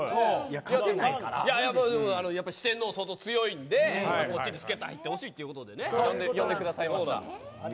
四天王が相当強いので助っ人に入ってほしいということで呼んでくださいました。